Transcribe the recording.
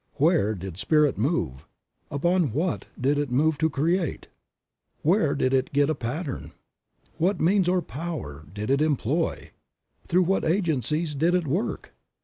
Where did Spirit move, upon what did It move to create; where did It get a pattern; what means or power did It employ; through what agencies did It work?